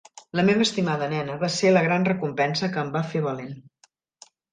La meva estimada nena va ser la gran recompensa que em va fer valent.